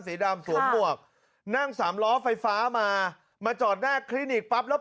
สีดำสวมหมวกนั่งสามล้อไฟฟ้ามามาจอดหน้าคลินิกปั๊บแล้ว